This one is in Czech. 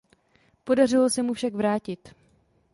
Podařilo se mu však vrátit.